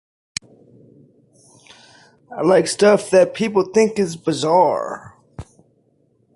I like stuff that people think is bizarre.